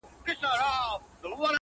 غټي سترگي شينكى خال د چا د ياد.